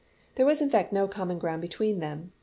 There was in fact no common ground between them.